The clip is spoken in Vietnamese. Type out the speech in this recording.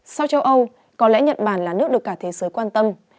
sau châu âu có lẽ nhật bản là nước được cả thế giới quan tâm